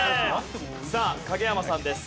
さあ影山さんです。